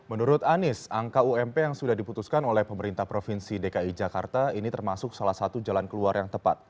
menurut anies angka ump yang sudah diputuskan oleh pemerintah provinsi dki jakarta ini termasuk salah satu jalan keluar yang tepat